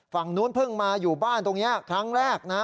ฝั่งนู้นเพิ่งมาอยู่บ้านตรงนี้ครั้งแรกนะ